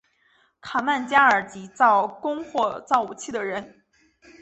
卡曼加尔即造弓或造武器的人。